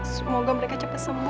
semoga mereka cepat sembuh